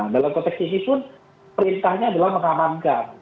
dalam konteks ini pun perintahnya adalah mengamankan